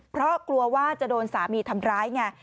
เพราะกลัวว่าจะโดนสามีทำร้ายไง